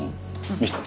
見せて。